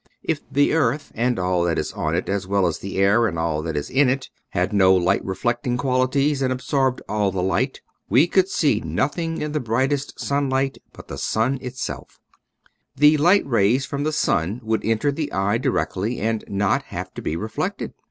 If the earth and all that is on it, as well as the air and all that is in it, had no light reflecting qualities and ab sorbed all the light, we could see nothing in 214 / i . Original from UNIVERSITY OF WISCONSIN SbaDows. 215 the brightest sunlight but the sun itself. The light rays from the sun would enter the eye directly, and not have to be reflected.